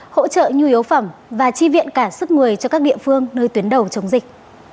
hỗ trợ nhu yếu phẩm và chi viện cả sức người cho các địa phương nơi tuyến đầu chống dịch